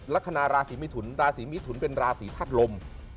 ลักษณะราศีมิถุนราศีมิถุนเป็นราศีธาตุลม